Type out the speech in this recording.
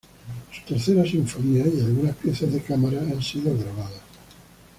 Su "Tercera sinfonía" y algunas piezas de cámara han sido grabadas.